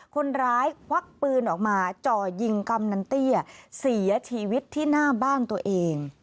ควักปืนออกมาจ่อยิงกำนันเตี้ยเสียชีวิตที่หน้าบ้านตัวเอง